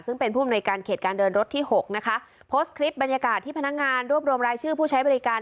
ซึ่งเป็นผู้อำนวยการเขตการเดินรถที่หกนะคะโพสต์คลิปบรรยากาศที่พนักงานรวบรวมรายชื่อผู้ใช้บริการ